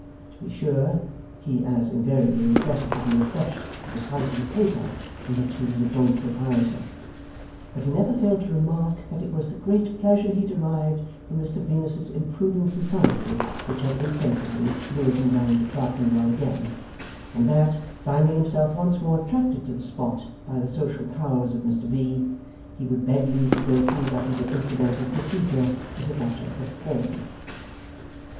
To be sure, he as invariably requested to be refreshed with a sight of the paper in which he was a joint proprietor; but he never failed to remark that it was the great pleasure he derived from Mr Venus's improving society which had insensibly lured him round to Clerkenwell again, and that, finding himself once more attracted to the spot by the social powers of Mr V., he would beg leave to go through that little incidental procedure, as a matter of form.